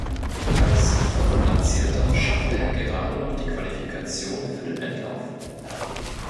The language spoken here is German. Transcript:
Als Viertplatzierter schaffte er gerade noch die Qualifikation für den Endlauf.